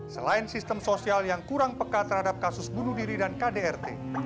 selain sistem sosial yang kurang peka terhadap kasus bunuh diri dan kdrt